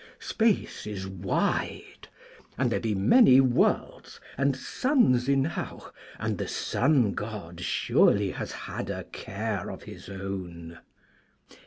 Space is wide, and there be many worlds, and suns enow, and the Sun god surely has had a care of his own.